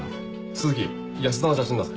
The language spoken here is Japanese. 鈴木安田の写真出せ。